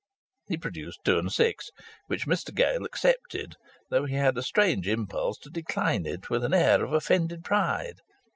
He produced two and six, which Mr Gale accepted, though he had a strange impulse to decline it with an air of offended pride.